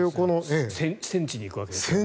戦地に行くわけですからね。